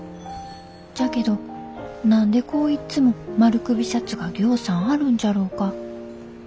じゃけど何でこういっつも丸首シャツがぎょうさんあるんじゃろうか。